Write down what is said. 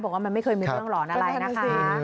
ผมว่ามันไม่เคยมีเวลาหลอนอะไรนะคะ